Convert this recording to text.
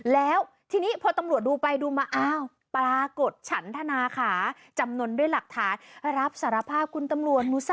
แล้วทีนี้พอตำรวจดูไปดูมาอ้าวปรากฏฉันธนาขาจำนวนด้วยหลักฐานรับสารภาพคุณตำรวจ